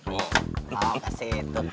oh kasih itu